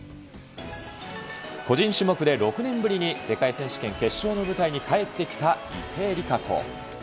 個人種目で６年ぶりに世界選手権決勝の舞台に帰ってきた池江璃花子。